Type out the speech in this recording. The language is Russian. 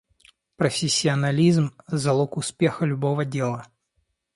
профессионализм - залог успеха любого дела.